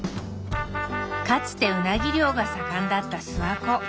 かつてうなぎ漁が盛んだった諏訪湖。